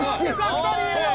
２人いるよ！